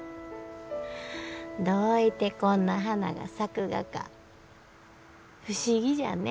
どういてこんな花が咲くがか不思議じゃね。